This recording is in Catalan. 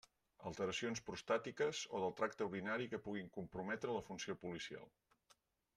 Alteracions prostàtiques o del tracte urinari que puguin comprometre la funció policial.